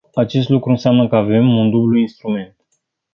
Acest lucru înseamnă că avem un dublu instrument.